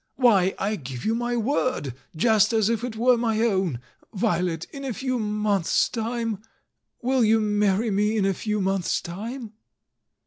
"Why, I give you my word — just as if it were my own. Violet, in a few months' time? Will you marry me in a few months' time?"